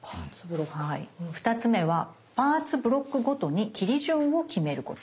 ２つ目はパーツ・ブロックごとに切り順を決めること。